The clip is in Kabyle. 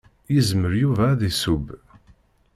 Yezmer Yuba ad iseww.